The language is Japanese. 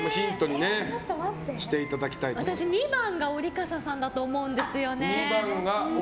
私、２番が折笠さんだと思うんですよね。